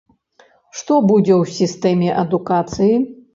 Што будзе ў сістэме адукацыі?